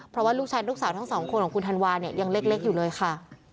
เพราะว่าลูกชายลูกสาวทั้งสองคนของคุณธันวาเนี่ยยังเล็กอยู่เลยค่ะ